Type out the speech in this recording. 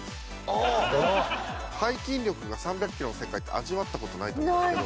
背筋力が３００キロの世界って味わった事ないと思うんですけど。